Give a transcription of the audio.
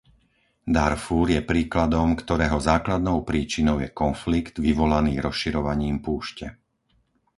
Darfúr je príkladom, ktorého základnou príčinou je konflikt, vyvolaný rozširovaním púšte.